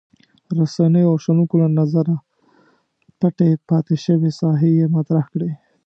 رسنیو او شنونکو له نظره پټې پاتې شوې ساحې یې مطرح کړې.